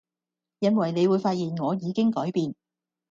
因為你會發現我已經改變